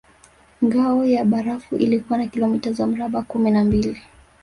Ngao ya barafu ilikuwa na kilomita za mraba kumi na mbili